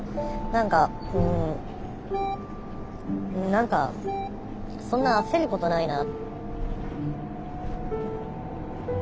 何かうん何かそんな焦ることないな。